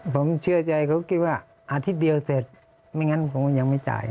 ผมเชื่อใจเขาคิดว่าอาทิตย์เดียวเสร็จไม่งั้นผมก็ยังไม่จ่าย